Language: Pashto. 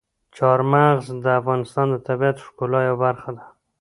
چار مغز د افغانستان د طبیعت د ښکلا یوه برخه ده.